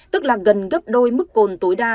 tức là gần gấp đôi mức cồn tối đa